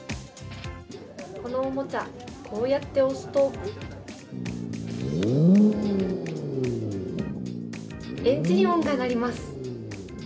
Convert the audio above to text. このおもちゃ、こうやって押すとエンジン音が鳴ります。